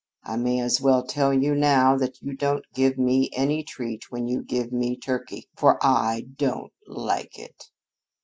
I may as well tell you now that you don't give me any treat when you give me turkey, for I don't like it."